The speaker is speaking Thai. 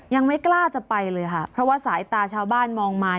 ยังไม่กล้าจะไปเลยค่ะเพราะว่าสายตาชาวบ้านมองมา